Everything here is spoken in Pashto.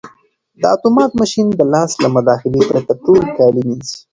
دا اتومات ماشین د لاس له مداخلې پرته ټول کالي مینځي.